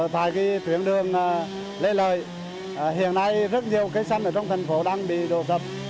tại cái tuyến đường lê lợi hiện nay rất nhiều cái xanh ở trong thành phố đang bị đổ tập